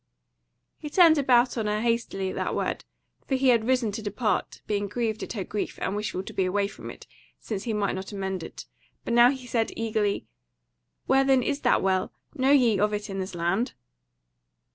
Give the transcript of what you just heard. He turned about on her hastily at that word; for he had risen to depart; being grieved at her grief and wishful to be away from it, since he might not amend it. But now he said eagerly: "Where then is that Well? Know ye of it in this land?"